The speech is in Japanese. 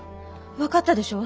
分かったでしょう？